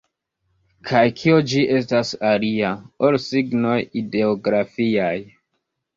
Kaj kio ĝi estas alia, ol signoj ideografiaj?